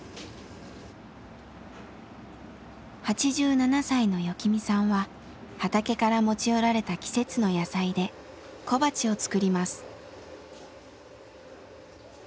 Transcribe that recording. ８７歳のよきみさんは畑から持ち寄られた季節の野菜で小鉢を作ります。